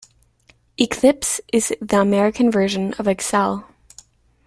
Eclipse is the American version of Excel.